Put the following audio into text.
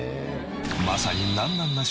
まさに。